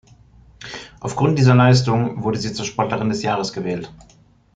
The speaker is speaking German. Aufgrund dieser Leistungen wurde sie zur Sportlerin des Jahres gewählt.